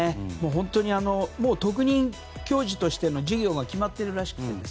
特任教授としての授業がもう決まっているらしくて。